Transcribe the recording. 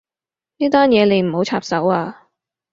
呢單嘢你唔好插手啊